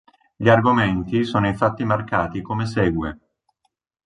Gli argomenti sono infatti marcati come segue.